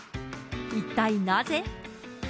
一体なぜ？